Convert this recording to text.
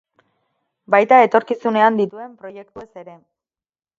Baita etorkizunean dituen proiektuez ere.